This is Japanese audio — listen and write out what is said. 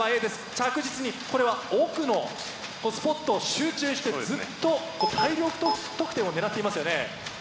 着実にこれは奥のスポットを集中してずっと大量得点を狙っていますよね。